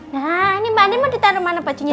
nah ini mbak aneh mau ditaro mana bajunya